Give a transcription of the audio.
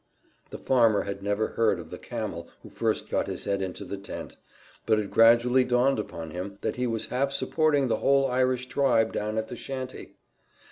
The farmer had never heard of the camel who first got his head into the tent, but it gradually dawned upon him that he was half supporting the whole Irish tribe down at the shanty.